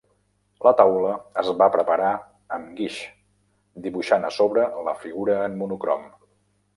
La taula es va preparar amb guix, dibuixant a sobre la figura en monocrom.